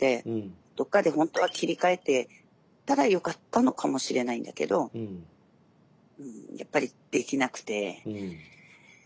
どっかで本当は切り替えてたらよかったのかもしれないんだけどやっぱりできなくて。